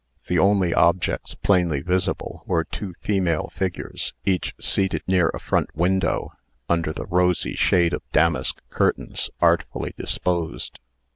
The only objects plainly visible were two female figures, each seated near a front window, under the rosy shade of damask curtains artfully disposed.